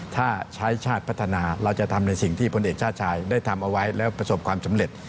ถ้าใช้ชาติพัฒนาเราจะทำในสิ่งที่พลเอกชาติชายได้ทำเอาไว้แล้วประสบความสำเร็จ